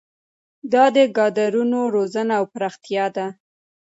دا د کادرونو روزنه او پراختیا ده.